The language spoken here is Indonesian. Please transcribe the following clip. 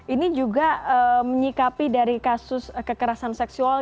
ini juga menyikapi dari kasus kekerasan seksual